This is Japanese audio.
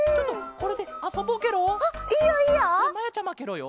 これまやちゃまケロよ。